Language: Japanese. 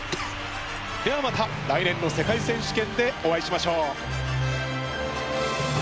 ではまた来年の世界選手権でお会いしましょう！